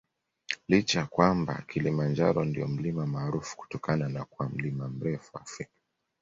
Licha ya kwamba Kilimanjaro ndio mlima maarufu kutokana na kuwa mlima mrefu Afrika